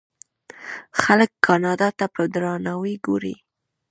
خلک کاناډا ته په درناوي ګوري.